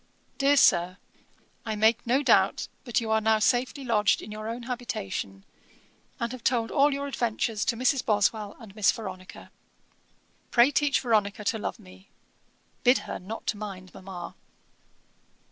'DEAR SIR, 'I make no doubt but you are now safely lodged in your own habitation, and have told all your adventures to Mrs. Boswell and Miss Veronica. Pray teach Veronica to love me. Bid her not mind mamma.